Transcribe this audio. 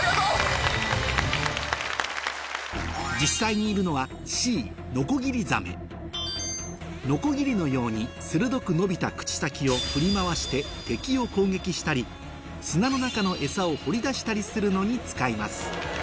実際にいるのはノコギリのように鋭く伸びた口先を振り回して敵を攻撃したり砂の中のエサを掘り出したりするのに使います